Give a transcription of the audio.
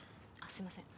すいません